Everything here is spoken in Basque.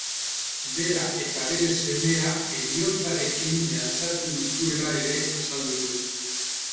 Bera eta bere semea heriotzarekin mehatxatu dituela ere azaldu du.